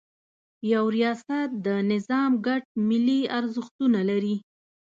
یو ریاست د نظام ګډ ملي ارزښتونه لري.